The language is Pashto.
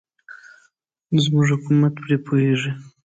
زموږ حکومت پرې پوهېږي.